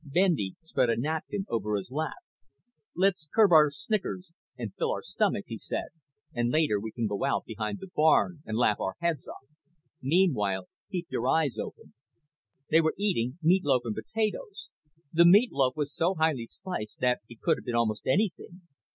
Bendy spread a napkin over his lap. "Let's curb our snickers and fill our stomachs," he said, "and later we can go out behind the barn and laugh our heads off. Meanwhile, keep your eyes open." They were eating meat loaf and potatoes. The meat loaf was so highly spiced that it could have been almost anything.